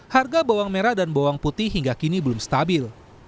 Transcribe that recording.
harga bawang merah dan bawang putih hingga kini belum stabil